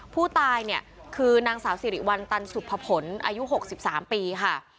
ผู้ตายเนี่ยคือนางสาวสิริวัลตันสุภพลอายุ๖๓ปีค่ะ